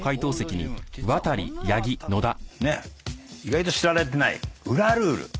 意外と知られてない裏ルール。